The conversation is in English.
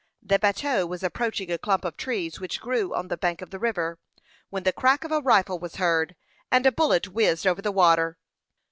The bateau was approaching a clump of trees which grew on the bank of the river, when the crack of a rifle was heard, and a bullet whizzed over the water.